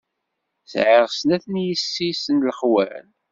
Sɛiɣ snat n yessi-s n lexwal.